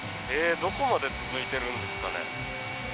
どこまで続いてるんですかね。